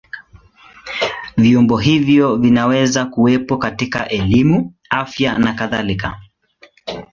Vyombo hivyo vinaweza kuwepo katika elimu, afya na kadhalika.